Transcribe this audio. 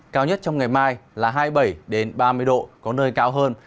cao nhất trong ngày mai là hai mươi bảy ba mươi độ có nơi cao hơn